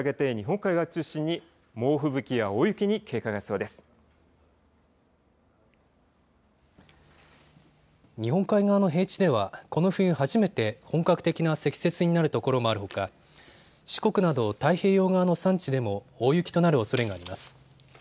日本海側の平地ではこの冬初めて本格的な積雪になるところもあるほか四国など太平洋側の山地でも大雪となるおそれがあります。